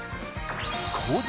高座